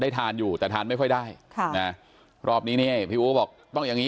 ทานอยู่แต่ทานไม่ค่อยได้ค่ะนะรอบนี้นี่พี่อู๋บอกต้องอย่างนี้